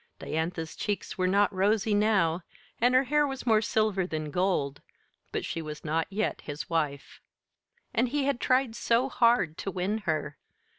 Diantha's cheeks were not rosy now, and her hair was more silver than gold, but she was not yet his wife. And he had tried so hard to win her!